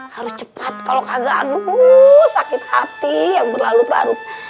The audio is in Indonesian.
harus cepat kalo kagak aduh sakit hati yang berlalu lalu